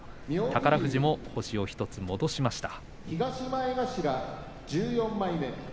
宝富士も星を１つ戻しました。